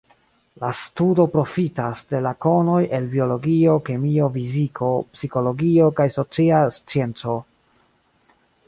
La studo profitas de la konoj el biologio, kemio, fiziko, psikologio kaj socia scienco.